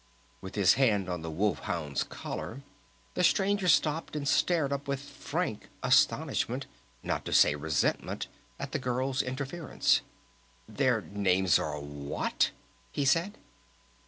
'" With his hand on the Wolf Hound's collar, the Stranger stopped and stared up with frank astonishment, not to say resentment, at the girl's interference. "Their names are what?" he said.